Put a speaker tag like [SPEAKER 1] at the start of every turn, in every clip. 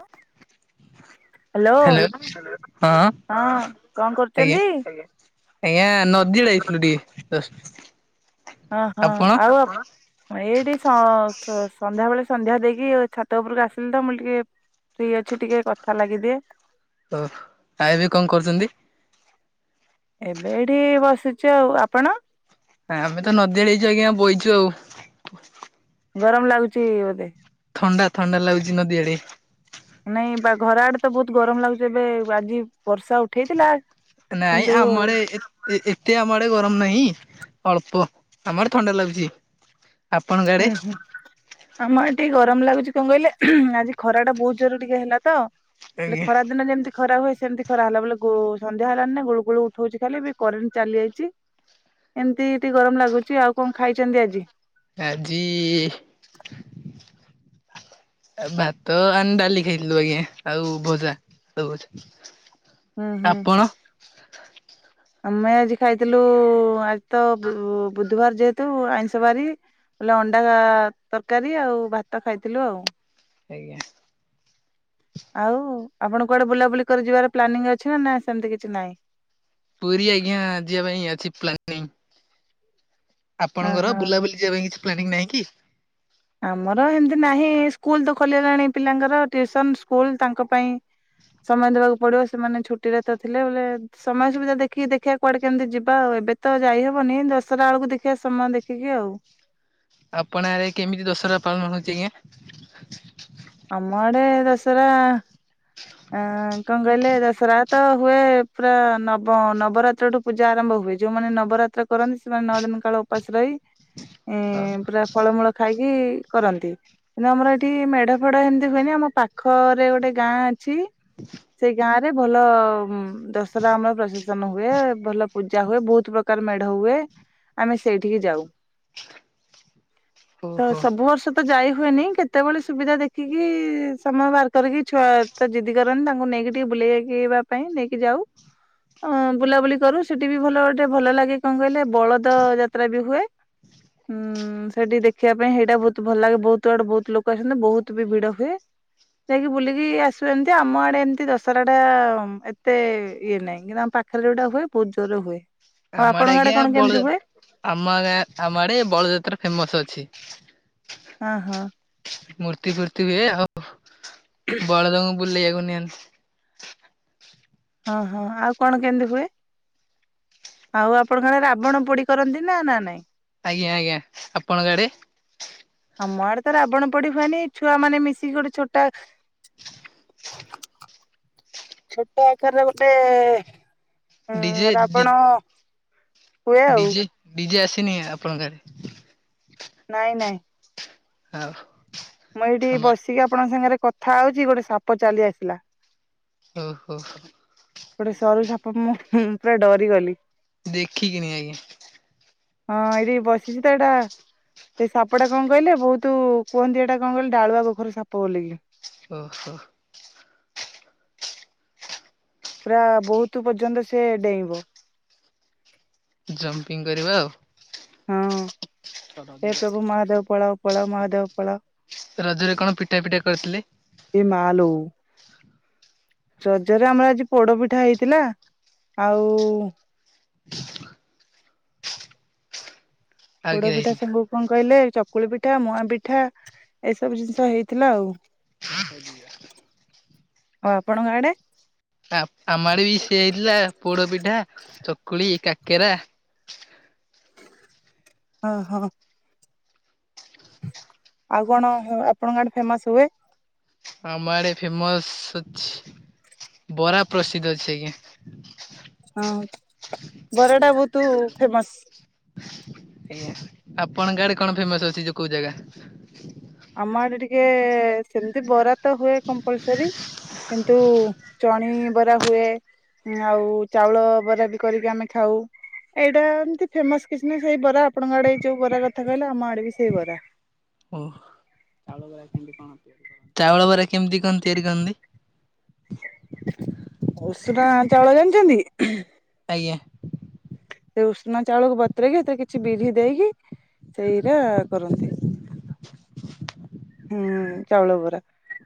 [SPEAKER 1] ହ। ହ୍ୟାଲୋ ହଁ କଣ
[SPEAKER 2] ଆଜ୍ଞା
[SPEAKER 1] କରୁଛନ୍ତି?
[SPEAKER 2] ଆଜ୍ଞା ନଦୀ ଆଡ଼େ ଯାଇଥିଲୁ ଟିକେ।
[SPEAKER 1] ହ ହୋ
[SPEAKER 2] ଆପଣ
[SPEAKER 1] ଆଉ ଏଇଠି ସ ସ ସନ୍ଧ୍ୟା ବେଳେ ସନ୍ଧ୍ୟା ଦେଇକି ଛାତ ଉପରକୁ ଆସିଲି ତ ମୁଁ ଟିକେ [unintelligible] ଅଛି ଟିକେ କଥା ଲାଗିଦିଏ।
[SPEAKER 2] [unintelligible] କଣ କରୁଛନ୍ତି।
[SPEAKER 1] ଏବେ ଏଠି ବସିଛି ଆଉ ଆପଣ?
[SPEAKER 2] ଆମେ ତ ନଦୀଆଡ ହେଇଛ ଆଜ୍ଞା ବହିଛୁ ଆଉ।
[SPEAKER 1] ଗରମ ଲାଗୁଛି ବୋଧେ?
[SPEAKER 2] ଥଣ୍ଡା ଥଣ୍ଡା ଲାଗୁଛି ନଦୀ ଆଡେ।
[SPEAKER 1] ନାଇଁ ବା ଘର ଆଡେ ତ ବହୁତ ଗରମ ଲାଗୁଛି ଏବେ ଆଜି ବର୍ଷା ଉଠେଇଥିଲା
[SPEAKER 2] ନାଇଁ
[SPEAKER 1] କିନ୍ତୁ
[SPEAKER 2] ଆମ ଆଡ଼େ ଏ ଏ ଏତେ ଆମ ଆଡେ ଗରମ ନାହିଁ ଅଳ୍ପ ଆମ ଆଡ଼େ ଥଣ୍ଡା ଲାଗୁଛି। ଆପଣଙ୍କ
[SPEAKER 1] ଉଁ
[SPEAKER 2] ଆଡେ
[SPEAKER 1] ହୁଁ। ଆମ ଆଡ଼େ ଟିକେ ଗରମ ଲାଗୁଛି କଣ କହିଲେ ଆଜି ଖରା ଟା ବହୁତ ଜୋରେ ଟିକେ ହେଲା ତ। ହେ
[SPEAKER 2] ଆଜ୍ଞା
[SPEAKER 1] ଖରା ଦିନ ଯେମିତି ଖରା ହୁଏ ସେମିତି ଖରା ହେଲା ବୋ ସନ୍ଧ୍ୟା ହେଲାଣି ଗୋଳୁ ଗୋଳୁ ଉଠଉଛି ଖାଲି କରେଣ୍ଟ ଚାଲି ଯାଇଛି। ଏମିତି ଟିକେ ଗରମ ଲାଗୁଛି ଆଉ କଣ ଖାଇଛନ୍ତି ଆଜି?
[SPEAKER 2] ଆଜି ଭାତ ଆଣି ଡାଲି ଖାଇଥିଲୁ ଆଜ୍ଞା ଆଉ ଭଜା। [unintelligible]
[SPEAKER 1] ହୁଁ ହୁଁ
[SPEAKER 2] ଆପଣ
[SPEAKER 1] ଆମେ ଆଜି ଖାଇଥିଲୁ ତ ବୁଧୁବାର ଯେହେତୁ ଆଇଁଷ ବାରି ବଲେ ଅଣ୍ଡା ତରକାରୀ ଆଉ ଭାତ ଖାଇଥିଲୁ ଆଉ।
[SPEAKER 2] ଆଜ୍ଞା।
[SPEAKER 1] ଆଉ ଆପଣ କୁଆଡେ ବୁଲାବୁଲି କରି ଯିବାର ପ୍ଲାନିଂ ଅଛି ନା ନା ସେମିତି କିଛି ନାହିଁ?
[SPEAKER 2] ପୁରୀ ଆଜ୍ଞା ଯିବା ପାଇଁ ଅଛି ପ୍ଲାନିଂ। ଆପଣଙ୍କର
[SPEAKER 1] ଓହୋ
[SPEAKER 2] ବୁଲାବୁଲି ଯିବା ପାଇଁ କିଛି ପ୍ଲାନିଂ ନାହିଁ କି?
[SPEAKER 1] ଆମର ଏମିତି ନାହିଁ ସ୍କୁଲ ତ ଖୋଲିଗଲାଣି ପିଲାଙ୍କର ଟିଉସନ୍ ସ୍କୁଲ ତାଙ୍କ ପାଇଁ ସମୟ ଦେବାକୁ ପଡିବ ସେମାନେ ଛୁଟିରେ ତ ଥିଲେ ବୋଲେ ସମୟ ସୁବିଧା ଦେଖିକି ଦେଖିବା କୁଆଡେ କେମିତି ଯିବା ଆଉ ଏବେ ତ ଯାଇହବନି ଦଶରା ବେଳକୁ ଦେଖିବା ସମୟ ଦେଖିକି ଆଉ।
[SPEAKER 2] ଆପଣ ରେ କେମିତି ଦଶହରା ପାଳନ ହଉଛି ଆଜ୍ଞା?
[SPEAKER 1] ଆମ ଆଡେ ଦସରା ଅ କଣ କହିଲେ ଦଶରା ତ ହୁଏ ପୁରା ନବ ନବରାତ୍ରଠୁ। ପୂଜା ଆରମ୍ଭ ହୁଏ ଯୋଉମାନେ ନବରାତ୍ର କରନ୍ତି ସେମାନେ ନଅ ଦିନ କାଳ ଉପାସ ରହି ପୁରା ଫଳମୂଳ ଖାଇକି କରନ୍ତି। କିନ୍ତୁ ଆମର ଏଠି ମେଢ ଫେଡ ଏମିତି ହୁଏନି ଆମ ପାଖରେ ଗୋଟେ ଗାଁ ଅ ଛି ସେଇ ଗାଁ ରେ ଭଲ ଦଶହରା ଆମର ପ୍ରଶାସନ ହୁଏ ଭଲ ପୂଜା ହୁଏ ବହୁତ ପ୍ରକାର ମେଢ ହୁଏ। ଆମେ ସେଇଠିକି ଯାଉ
[SPEAKER 2] ଓହୋ
[SPEAKER 1] ସବୁ ବର୍ଷ ତ ଯାଇ ହୁଏନି କେତେବେଳେ ସୁବିଧା ଦେଖିକି ସମୟ ବାହାର କରିକି ଛୁଆ ତ ଜିଦି କରନି ତାଙ୍କୁ ନେଇକି ଟିକେ ବୁଲେଇକିବା ପାଇଁ ନେଇକି ଯାଉ। ଅ ବୁଲାବୁଲି କରୁ ସେଠି ବି ଭଲ ଗୋଟେ ଭଲ ଲାଗେ କଣ କହିଲେ ବଳଦ ଯାତ୍ରା ବି ହୁଏ। ହୁଁ ସେଠି ଦେଖିବା ପାଇଁ ସେଇଟା ବହୁତ ଭଲ ଲାଗେ ବହୁତ ଆଡୁ ବହୁତ ଲୋକ ଆସନ୍ତ ବହୁତ ବି ଭିଡ ହୁଏ। ଯାଇକି ବୁଲିକି ଆ ସୁଚନ୍ତି ଏମିତି ଆମ ଆଡେ ଏମିତି ଦଶହରା ଟା ଏତେ ଇଏ ନାହିଁ କିନ୍ତୁ ଆମ ପାଖରେ ଯଉଟା ହୁଏ ବହୁତ ଜୋରରେ ହୁଏ। ହଁ
[SPEAKER 2] ଆମ
[SPEAKER 1] ଆପଣଙ୍କ
[SPEAKER 2] ଆଜ୍ଞା
[SPEAKER 1] ଆଡେ କଣ
[SPEAKER 2] ବଳ
[SPEAKER 1] କେମିତି ହୁଏ?
[SPEAKER 2] ଆମ ଗାଁ ଆମଆଡେ ବଳଯାତ୍ରା ଫେମସ ଅଛି।
[SPEAKER 1] ହଁ ହଁ।
[SPEAKER 2] ମୂର୍ତ୍ତି ଫୂର୍ତ୍ତି ବି ଏ ଆଉ ବଳଦଙ୍କୁ ବୁଲେଇଆକୁ ନିଅନ୍ତି।
[SPEAKER 1] ହଁ ହଁ ଆଉ କଣ କେମିତି ହୁଏ? ଆଉ ଆପଣଙ୍କ ଆଡେ ରାବଣ ପୋଡି କରନ୍ତି ନା ନା ନାଇଁ?
[SPEAKER 2] ଆଜ୍ଞା ଆଜ୍ଞା, ଆପଣଙ୍କ ଆଡେ?
[SPEAKER 1] ଆମ ଆଡେ ତ ରାବଣ ପୋଡି ହୁଏନି ଛୁଆ ମାନେ ମିଶିକି ଗୋଟେ ଛୋଟା ଛୋଟ ଆକାରରେ ଗୋଟେ ହୁଁମ
[SPEAKER 2] ଡିଜେ ଡି
[SPEAKER 1] ରାବଣ କୁଏ ଆଉ।
[SPEAKER 2] ଡିଜେ ଡିଜେ ଆସିନି ଆପଣଙ୍କ ଘରେ?
[SPEAKER 1] ନାଇଁ ନାଇଁ।
[SPEAKER 2] ଆଉ?
[SPEAKER 1] ମୁଁ ଏଇଠି
[SPEAKER 2] ଆମ
[SPEAKER 1] ବସିକି ଆପଣଙ୍କ ସାଙ୍ଗରେ କଥା ହଉଛି ଗୋଟେ ସାପ ଚାଲି ଆସିଲା।
[SPEAKER 2] ଓ ହୋ ହୋ।
[SPEAKER 1] ଗୋଟେ ସରୁ ସାପ ମୁଁ ପୁରା ଡରିଗଲି।
[SPEAKER 2] ଦେଖି କି ନି ଆଜ୍ଞା।
[SPEAKER 1] ହଁ ଏଇଠି ବସିଛି ତ ଏଇଟା ସେ ସାପଟା କଣ କହିଲେ ବହୁତ କୁହନ୍ତି ଏଟା କଣ କହିଲେ ଡାଳୁଆ ଗୋଖର ସାପ ବୋଲିକ କି।
[SPEAKER 2] ଓ ହୋ।
[SPEAKER 1] ପୁରା ବହୁତ ପର୍ଯ୍ୟନ୍ତ ସେ ଡେଇଁବ।
[SPEAKER 2] ଜମ୍ପିଙ୍ଗ କରିବା ଆଉ।
[SPEAKER 1] ହଁ। ଏ ପ୍ରଭୁ ମହାଦେବ ପଳାଅ ପଳାଅ ମହାଦେବ ପଳାଅ।
[SPEAKER 2] ରଜରେ କଣ ପିଠା ପିଠା କରିଥିଲେ
[SPEAKER 1] ଏ ମା ଲୋ। ରଜରେ ଆମର ଆଜି ପୋଡ ପିଠା ହେଇଥିଲା ଆଉ
[SPEAKER 2] ଆଉ
[SPEAKER 1] ପୋଡ
[SPEAKER 2] କିଏ
[SPEAKER 1] ପିଠା
[SPEAKER 2] ହେଇଥିଲା?
[SPEAKER 1] ସାଙ୍ଗକୁ କଣ କହିଲେ ଚକୁଳି ପିଠା, ମୁଆ ପିଠା ଏସବୁ ଜିନିଷ ହେଇଥିଲା ଆଉ।
[SPEAKER 2] ଆଜ୍ଞା।
[SPEAKER 1] ଆଉ ଆପଣଙ୍କ ଆଡେ?
[SPEAKER 2] ଆ ଆମ ଆଡେବି ସେଆ ହେଇଥିଲା ପୋଡ ପିଠା, ଚକୁଳି, କାକେରା।
[SPEAKER 1] ଓ ହ। ଆଉ କଣ ଆପଣଙ୍କ ଆଡେ ଫେମସ ହୁଏ?
[SPEAKER 2] ଆମଡ ଫେମସ ଅଛି ବରା ପ୍ରସିଦ୍ଧ ଅଛି ଆଜ୍ଞା।
[SPEAKER 1] ଅଁ ବରାଟା ବହୁତ ଫେମସ।
[SPEAKER 2] ଫେମୋସ, ଆପଣଙ୍କ ଆଡେ କଣ ଫେମସ ଅଛି ଯୋଉ କୋଉ ଜାଗା?
[SPEAKER 1] ଆମ ଆଡେ ଟିକେ ସେମତି ବରା ଟା ହୁଏ କମ୍ପଲସର କିନ୍ତୁ ଚଣିବରା ହୁଏ, ଉମ ଆଉ ଚାଉଳ ବରା ବି କରିକି ଆମେ ଖାଉ। ଏଇଟା ଏମିତି ଫେମସ କିଛି ନାହିଁ ସେଇ ବରା ଆପଣଙ୍କ ଆଡେ ଯୋଉ ବରା କଥା କହିଲେ ଆମ ଆଡେ ବି ସେଇ ବରା।
[SPEAKER 2] ଓ ହୋ ଚାଉଳ ବରା କେମିତି କଣ ତିଆରି କରନ୍ତି?
[SPEAKER 1] ଉଷଣା ଚାଉଳ ଜାଣିଛନ୍ତି?
[SPEAKER 2] ଆଜ୍ଞା।
[SPEAKER 1] ସେ ଉଷୁନା ଚାଉଳକୁ ବତୁରେଇକି ସେଥିରେ କିଛି ବିରି ଦେଇକି ସେଇଟା କରନ୍ତି ହୁଁ ଚାଉଳ ବରା।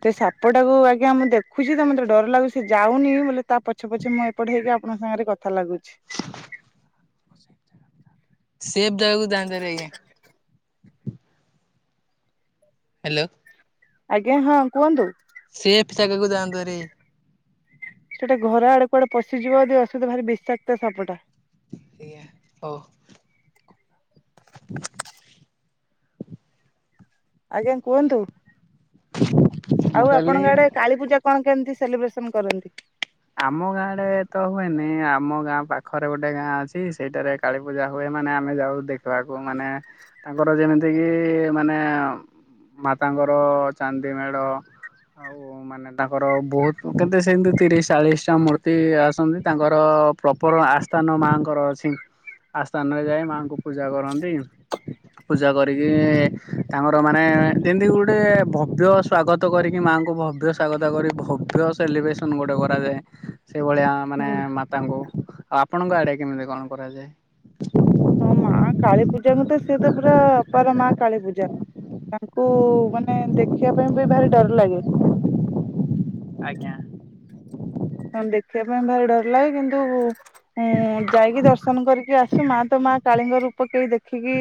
[SPEAKER 1] ସେ ସାପ ଟାକୁ ଆଜ୍ଞା ମୁଁ ଦେଖୁଛି ତ ମତେ ଡର ଲାଗୁଛି ସେ ଯାଉନି ବୋଲେ ତା ପଛେ ପଛେ ମୁଁ ପଢେଇକି ଆପଣ ସାଙ୍ଗରେ କଥା ଲାଗୁଛି।
[SPEAKER 2] ସେପ୍ ଜାଗାକୁ ଯାନ୍ତୁ ଭାରି ଆଜ୍ଞା। ହ୍ୟାଲୋ।
[SPEAKER 1] ଆଜ୍ଞା ହଁ କୁହନ୍ତୁ।
[SPEAKER 2] ସେଫ୍ ଜାଗାକୁ ଯାଆନ୍ତୁ ଭାରି।
[SPEAKER 1] ସେଟା ଘର ଆଡେ କୁଆଡେ ପଶିଯିବ ଯଦି ଅସୁବିଧା ଭାରି ବିଷାକ୍ତ ସାପଟା।
[SPEAKER 2] ଓହ ହଉ। [inaudible]
[SPEAKER 1] ଆଜ୍ଞା କୁହନ୍ତୁ
[SPEAKER 2] ମୁଁ
[SPEAKER 1] ଆଉ
[SPEAKER 2] କହିଲି
[SPEAKER 1] ଆପଣଙ୍କ ଆଡେ କାଳୀପୂଜା କଣ କେମିତି ସେଲିବ୍ରେସନ କରନ୍ତି?
[SPEAKER 2] ଆମ ଗାଁ ରେ ତ ହୁଏନି ଆମ ଗାଁ ପାଖରେ ଗୋଟେ ଗାଁ ଅଛି ସେଇଟାରେ କାଳୀ ପୂଜା ହୁଏ ମାନେ ଆମେ ଯାଉ ଦେଖିବାକୁ ମାନେ ତାଙ୍କର ଯେମିତିକି ମାନେ ମାତାଙ୍କର ଚାନ୍ଦି ମେଢ ଆଉ ମାନେ ତାଙ୍କର ବହୁତ କେତେ ସେମିତି ତିରିଶ ଚାଳିଶ ଟା ମୂର୍ତ୍ତି ଆସନ୍ତି ତାଙ୍କର ପ୍ରପର ଆସ୍ଥାନ ମାଙ୍କର ଅଛି। ଆସ୍ଥାନରେ ଯାଇ ମାଆଙ୍କୁ ପୂଜା କରନ୍ତି।
[SPEAKER 1] [inaudible]
[SPEAKER 2] ପୂଜା କରିକି ତାଙ୍କର ମାନେ ଯେମିତି ଗୋଟେ ଭବ୍ୟ ସ୍ଵାଗତ କରିକି ମାଆଙ୍କୁ ଭବ୍ୟ କଥା କଥା କରି ଭବ୍ୟ ସେଲିବ୍ରେସନ ଗୋଟେ ହୁ କରାଯାଏ ସେଇଭଳିଆ ମାନେ ମାତାଙ୍କୁ ଆଉ ଆପଣଙ୍କ ଆଡେ କେମିତି କଣ କରାଯାଏ?
[SPEAKER 1] ହଁ ମା କାଳୀ ପୂଜାଙ୍କୁ ତ ସିଏ ତ ପୁରା ଅପାର ମା କାଳୀ ପୂଜା। ତାଙ୍କୁ ମାନେ ଦେଖିବା ପାଇଁ ବି ଭାରି ଡର ଲାଗେ।
[SPEAKER 2] ଆଜ୍ଞା।
[SPEAKER 1] ହଁ ଦେଖିବା ପାଇଁ ଭାରି ଡର ଲାଗେ କିନ୍ତୁ ମୁଁ ଯାଇକି ଦର୍ଶନ କରିକି ଆସୁ ମା ତ ମା କାଳୀଙ୍କ ରୂପ କେହି ଦେଖିକି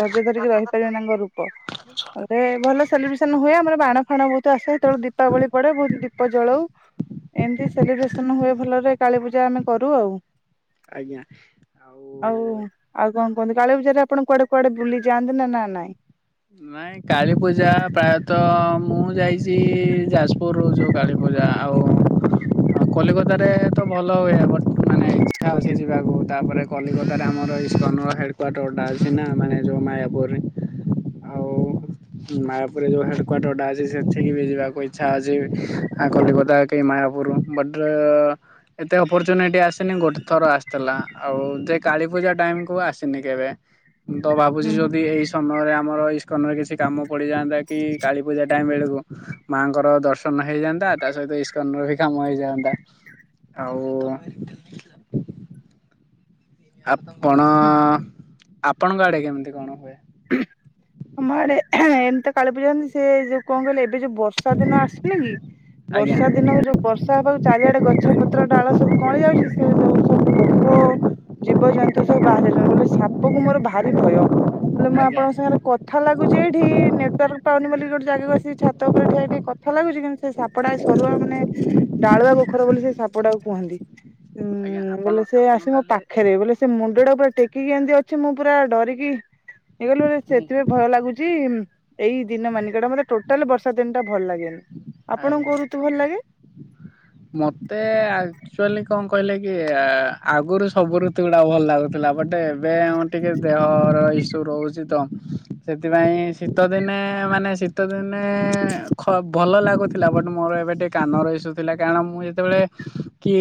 [SPEAKER 1] ଧର୍ଯ୍ୟ ଧରିକି ରହିପାରିବେ ତାଙ୍କ ରୂପ ରେ ଭଲ ସେଲିବ୍ରେସନ ହୁଏ ଆମର ବାଣ ଫାଣ ବହୁତ ଆସେ ସେତେବେଳେ ଦୀପାବଳି ପଡେ ବହୁତ ଦୀପ ଜଳଉ। ଏମତି ସେଲିବ୍ରେସନ ହୁଏ ଭଲରେ କାଳୀ ପୂଜା ଆମେ କରୁ ଆଉ।
[SPEAKER 2] ଆଜ୍ଞା ଆଉ
[SPEAKER 1] ଆଉ କଣ କୁହନ୍ତୁ କାଳୀ ପୂଜାରେ ଆପଣ କୁଆଡେ କୁଆଡେ ବୁଲିଯାଆନ୍ତି ନା ନାଇଁ?
[SPEAKER 2] ନାଇଁ କାଳୀପୂଜା ପ୍ରାୟତଃ ମୁଁ ଯାଇଛି ଯାଜପୁର ଯୋଉ କାଳୀ ପୂଜା ଆଉ କଲିକତା ରେ ତ ଭଲ ହୁଏ ବ ମାନେ ଇଛା ହଉଛି ଯିବାକୁ ତାପରେ କଲିକତାରେ ଆମର ଇସ୍କନର ହେଡ଼ କ୍ୱାର୍ଟର ଟା ଅଛି ନା ମାନେ ଯୋଉ ମାୟାପୁରରେ। ଆଉ
[SPEAKER 1] [inaudible]
[SPEAKER 2] ମାୟାପୁରରେ ଯୋଉ ହେଡ କ୍ୱାର୍ଟର ଟା ଅଛି ସେଠିକି ବି ଯିବାକୁ ଇଚ୍ଛା ଅଛି ଆଉ କଲିକତା କି ମାୟାପୁର ବଟ ଏତେ ଅପରଚୁନିଟି ଆସିନି ଗୋଟେ ଥର ଆସିଥିଲା ଆଉ ଯେ କାଳୀପୂଜା ଟାଇମକୁୁ ଆସିନି କେବେ। ମୁଁ ତ ଭାବୁଛି
[SPEAKER 1] ହୁଁ ହୁଁ
[SPEAKER 2] ଯଦି ଏଇ ସମୟରେ ଆମର ଇସ୍ ସ୍କନରେ କିଛି କାମ ପଡିଯାଆନ୍ତା କି କାଳୀପୂଜା ଟାଇମ୍ ବେଳକୁ ମାଆଙ୍କର ଦର୍ଶନ ହେଇଯାନ୍ତା ତା ସହିତ କନର ବି କାମ ହେଇଯାଆନ୍ତା ଆଉ ଆପଣ
[SPEAKER 1] ହୁଁ।
[SPEAKER 2] ଆପଣଙ୍କ ଆଡେ କେମିତି କଣ ହୁଏ?
[SPEAKER 1] ଆମ ଆଡେ ଏମିତି ତ କାଳି ପୂଜା ସେ ଯୋଉ କଣ କହିଲେ ଏବେ ଯୋଉ ବର୍ଷ ର୍ଷା ଦିନ ଆସିଲା କି
[SPEAKER 2] ଆଜ୍ଞା
[SPEAKER 1] ବର୍ଷା ଦିନ ବର୍ଷା ହବାରୁ ଚାରିଆଡେ ଗଛ ପତ୍ର ଡାଳ ସବୁ କଅଁଳି ଯାଉଛି ସେ ଯୋଉ ସବୁ ପୋକ ଜୀବଜନ୍ତୁ ସବୁ ବାହାରି ବୋଲେ ସାପ କୁ ମୋର ଭାରି ଭୟ ବୋଲେ ମୁଁ
[SPEAKER 2] ଆଜ୍ଞା
[SPEAKER 1] ଆପଣଙ୍କ ସାଙ୍ଗରେ କ ଥା ଲାଗୁଛି ଏଇଠି ନେଟୱାର୍କ ପାଉନି ବୋଲି ଗୋଟେ ଜାଗା ଆସିିକି ଛାତ ଉପରେ ଠିଆ ଠିକେ କଥା ଲାଗୁଛି କିନ୍ତୁ ସେ ସାପ ଟା ସରୁଆ ମାନେ ଡାଳୁଆ ଗୋଖର ବୋଲି ସେ ସାପ ଟାକୁ କୁହନ୍ତି।
[SPEAKER 2] ଆଜ୍ଞା
[SPEAKER 1] ଉଁ
[SPEAKER 2] ଆପଣ
[SPEAKER 1] ବୋଲେ ସେ
[SPEAKER 2] ଆପଣ
[SPEAKER 1] ଆସି ମୋ
[SPEAKER 2] ତାହେଲେ
[SPEAKER 1] ପାଖରେ ବୋଲେ ସେ ମୁଣ୍ଡଟା ପୁରା ଟେକିକି ଏମିତି ଅଛି ମୁଁ ପୁରା ଡରିକି [unintelligible]
[SPEAKER 2] ନାଇଁ
[SPEAKER 1] ଭୟ ଲାଗୁଛି ଏଇ ଦିନ ମାନିକଟା ମୋତେ ଟୋଟାଲ ବର୍ଷା ଦିନ ଟା ଭଲ ଲାଗେନି। ଆପଣଙ୍କୁ
[SPEAKER 2] ଆଜ୍ଞା।
[SPEAKER 1] କୋଉ ଋତୁ ଭଲ ଲାଗେ?
[SPEAKER 2] ମତେ ଆଚୁଆଲି କଣ କହିଲେ କି ଆଗରୁ ସବୁ ଋତୁ ଗୁଡା ଭଲ ଲାଗୁଥିଲା ବଟ୍ ଏବେ ଟିକେ ଦେହର ଇସୁ ରହୁଛି ତ ସେଥିପାଇଁ ଶୀତ ଦିନେ ମାନେ ଶୀତ ଦିନେ ଭଲ ଲାଗୁଛି। ଥିଲା ବଟ ମୋର ଏବେ ଟିକେ କାନର ଇସୁଥିଲା କାରଣ ମୁଁ ଯେତେବେଳେ କି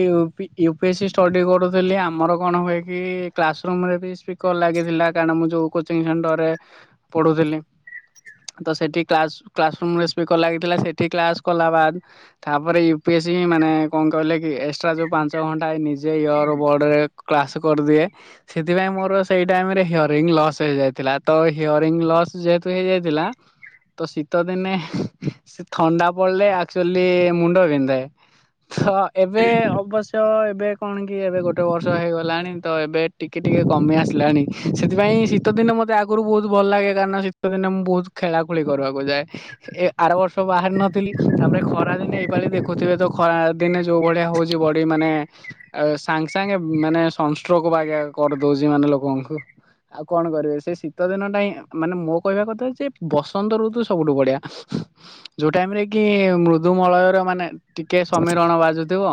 [SPEAKER 2] ୟୁ ପି ଏସ୍ସି ଷ୍ଟଡ଼ି କରୁଥିଲି ଆମର କଣ ହୁଏ କି କ୍ଲାସ ରୁମ ରେ ବି ସ୍ପିକର ଲାଗିଥିଲା କାରଣ ମୁଁ ଯୋଉ କୋଚିଂରେ ସେଣ୍ଟର ରେ ପଢୁଥିଲି ତ ସେଠି କ୍ଲା କ୍ଲାସ ରୁମ ରେ ସ୍ପିକର ଲାଗିଥିଲା ସେଠି କ୍ଲାସ କଲା ବାଦ୍ ତାପରେ ୟୁ ପି ଏ ମାନେ କଣ କହିଲେ କି ଏକ୍ସଟ୍ରା ଯୋଉ ପାଞ୍ଚ ଘଣ୍ଟା ଯେ ଇୟର ବୋର୍ଡରେ କ୍ଲାସ କରିଦିଏ। ସେଥିପାଇଁ ମୋର ସେଇ ଟାଇମ ରେ ହିଅରିଂ ଲସ୍ ହେଇଯାଇଥିଲା ତ ହିଅରିଂ ଲସ୍ ଯେହେତୁ ହେଇଯାଇଥିଲା ତ ଶୀତ ଦିନେ ସେ ଥଣ୍ଡା ପଳିଲେ ଆକ୍ଚୁଲି ମୁଣ୍ଡ ବିନ୍ଧେ ତ ଏବେ ଅବଶ୍ୟ ତ ଏବେ କଣ କି ଏବେ ଗୋଟେ ବର୍ଷ ହେଇଗଲାଣି ତ ଏବେ ଟିକିଏ ଟିକେ କମି ଆସିଲାଣି ସେଥିପାଇଁ ଶୀତ ଦିନ ମତେ ଆଗରୁ ବହୁତ ଭଲ ଲାଗେ କାରଣ ଶୀତ ଦିନେ ମୁଁ ବହୁତ ଖେଳା ଖୋଳି କରିବାକୁ ଯାଏ। ଏ ଆର ବର୍ଷ ବାହାରି ନ ଥିଲି ତାପରେ ଖରା ଦିନେ ଏଇପାଲି ଦେଖୁଥିବେ ତ ଖରା ଦିନେ ଯୋଉ ଭଳିଆ ହଉଛି ବଢି ମାନେ ଆ ସାଙ୍ଗେ ସାଙ୍ଗେ ମାନେ ସଂସ୍କୁ ବାଜା କରିଦଉଛି ମାନେ ଲୋକଙ୍କୁ ଆଉ କଣ କରିବେ ସେ ଶୀତ ଦିନ ଟା ହିଁ ମାନେ ମୋ କହିବା କଥା ଯେ ବସନ୍ତ ଋତୁ ସବୁଠୁ ବଢିଆ ଯୋଉ ଟାଇମ ରେ କି ମୃଦୁ ମଳୟ ର ମାନେ ଟିକେ ସମୀରଣ ବାଜୁଥିବ।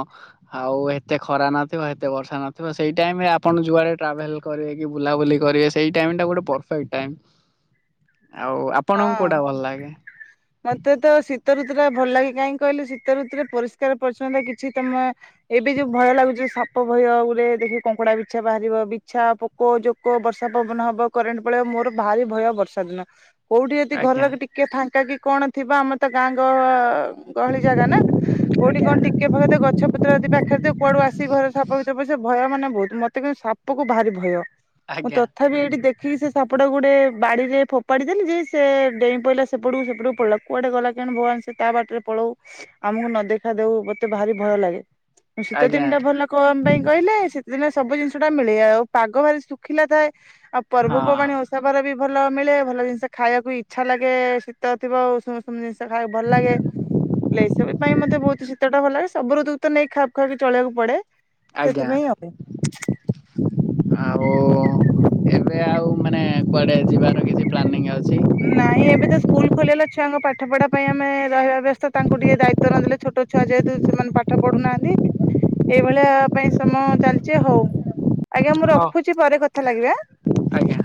[SPEAKER 2] ଆଉ ଏତେ ଖରା ନଥିବ ଏତେ ବର୍ଷା ନଥିବ ସେଇ ଟାଇମ ରେ ଆପଣ ଯୁଆଡେ ଟ୍ରାଭେଲ କରିବେ କି ବୁଲାବୁଲି କରିବେ ସେଇ ଟାଇମ୍ଟା ଗୋଟେ ପରଫେକ୍ଟ ଟାଇମ୍।
[SPEAKER 1] ହ [unintelligible]
[SPEAKER 2] ଆଉ ଆ
[SPEAKER 1] ହଁ। ମତେ ତ ଶୀତ ଋତୁ ଟା ଭଲ ଲାଗେ କାହିଁକି କହିଲେ ଶୀତ ଋତୁରେ ପରିଷ୍କାର ପରିଚ୍ଛନ୍ନତା କିଛି ତମେ ଏବେ ଯୋଉ ଭୟ ଲାଗୁଛି ସାପ ଭୟ ବୋଲେ ଦେଖି କଙ୍କଡା ବିଛା ବାହାରିବ ବିଛା କୋ ଯୋକ ବର୍ଷା ପବନ ହବ କରେଣ୍ଟ ପଳେଇବ ମୋର ଭାରି ଭୟ ବର୍ଷା ଦିନ କୋଉଠି ଯଦି
[SPEAKER 2] ଆଜ୍ଞା
[SPEAKER 1] ଘର ଟିକେ ଫାଙ୍କା କି କଣ ଥିବ ଆମର ତ ଗାଁଙ୍କ ଗହଳି ଜାଗା ନା କୋଉଠି କଣ ଟିକେ ଫଖ ଗଛ ଭ ଯଦି ପାଖରେ କୁଆଡୁ ଆସି ଘର ସାପ ଭିତର ପସ ଭୟ ମାନେ ବହୁତ ମତେ କିନ୍ତୁ ସାପକୁ ଭାରି ଭୟ ମୁଁ
[SPEAKER 2] ଆଜ୍ଞା
[SPEAKER 1] ତଥାପି ଏଇଠି ଦେଖିକି ସେ ସାପଟ ଗୋଟେ ବାଡିରେ ଫୋପାଡି ଯେମତି ଯେ ସେ ଡେଇଁ ପେଇଲା ସେପଟକୁ ସେପଟକୁ ପଡିଲା କୁଆଡେ ଗଲା କେଜାଣି ଭଗବାନ ସେ ତା ବାଟରେ ପଳଉ। ଆମକୁ ନ ଦେଖା ଦଉ ମତେ ଭାରି ଭୟ ଲାଗେ ଶୀତ
[SPEAKER 2] ଆଜ୍ଞା
[SPEAKER 1] ଦିନଟା ଭଲ କଣ ପାଇଁ କହିଲେ ଶୀତଦିନ ସବୁ ଜିନିଷଟା ମିଳିଯାଏ ଆଉ ପାଗ ଭାରି ଶୁଖିଲା ଥାଏ ଆଉ
[SPEAKER 2] ହଁ
[SPEAKER 1] ପର୍ବପର୍ବାଣି ଓସା ପାର ବି ଭଲ ମିଳେ ଭଲ ଜିନିଷ ସେ ଖାଇବାକୁ ଇଚ୍ଛା ଲାଗେ ଶୀତ ଥିବ ଜିନିଷ ଖାଇବାକୁ ଭଲ ଲାଗେ। ଲେ ସେଇଥି ପାଇଁ ମତେ ବହୁତ ଶୀତ ଟା ଭଲ ସବୁ ଋତୁ ତ ନେଇକି ଖାପ ଖାଇକି ଚଳିବାକୁ ପଡେ।
[SPEAKER 2] ଆଜ୍ଞା।
[SPEAKER 1] ସେଥିପାଇଁ ଆଉ।
[SPEAKER 2] ଆଉ ଏବେ ଆଉ ମାନେ କୁଆଡେ ଯିବାର କିଛି ପ୍ଲାନିଂ ଅଛି।
[SPEAKER 1] ନାଇଁ ଏବେ ତ ସ୍କୁଲ ଖୋଲିଗଲା ଛୁଆଙ୍କ ପାଠପଢା ପାଇଁ ଆମେ ରହିବା ବ୍ୟସ୍ଥ ତାଙ୍କୁ ଟିକେ ଦାୟିତ୍ୱ ନ ଦେଲେ ଛୋଟ ଛୁଆ ଯେହେତୁ ସେମାନେ ପାଠ ପଢୁନାହାନ୍ତି ଏଇଭଳିଆ ପାଇଁ ସମୟ ଚାଲିଛି ହଉ। ଆଜ୍ଞା ମୁଁ
[SPEAKER 2] ହଁ
[SPEAKER 1] ରଖୁଛି ପରେ କଥା ଲାଗିବା ଆଁ।
[SPEAKER 2] ଆଜ୍ଞା।